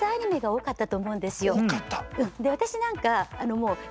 多かった。